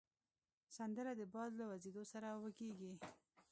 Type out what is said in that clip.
سندره د باد له وزېدو سره وږیږي